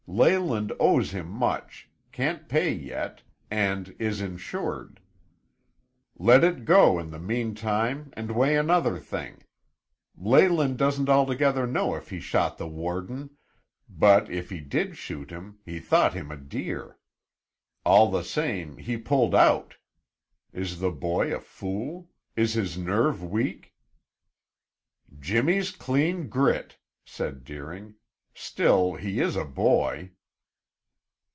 Leyland owes him much, can't pay yet, and is insured. Let it go in the meantime, and weigh another thing. Leyland doesn't altogether know if he shot the warden, but if he did shoot him, he thought him a deer. All the same, he pulled out! Is the boy a fool? Is his nerve weak?" "Jimmy's clean grit," said Deering. "Still he is a boy."